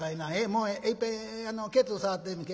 もういっぺんケツ触ってみい。